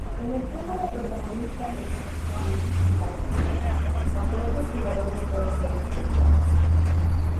En el juego la protagonista es Jill Valentine, aunque otros jugadores pueden ser desbloqueados.